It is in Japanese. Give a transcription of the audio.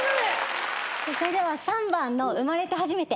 それでは３番の『生まれてはじめて』